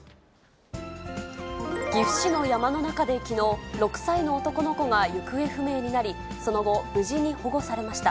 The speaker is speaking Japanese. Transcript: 岐阜市の山の中できのう、６歳の男の子が行方不明になり、その後、無事に保護されました。